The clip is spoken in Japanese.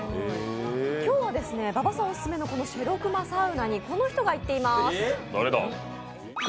今日は馬場さんオススメの、このしぇろくまサウナにこの人が行っています。